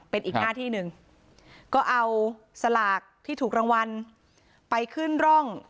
เป็นอีกหน้าที่หนึ่งก็เอาสลากที่ถูกรางวัลไปขึ้นร่อง